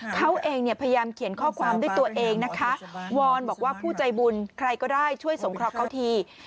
เขาเองเนี่ยพยายามเขียนข้อความด้วยตัวเองนะคะวอนบอกว่าผู้ใจบุญใครก็ได้ช่วยสงเคราะห์เขาที